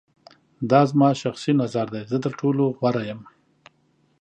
دا زما شخصی نظر دی. زه تر ټولو غوره یم.